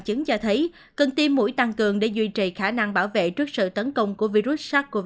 các nhà nghiên cứu cho thấy cần tiêm mũi tăng cường để duy trì khả năng bảo vệ trước sự tấn công của virus sars cov hai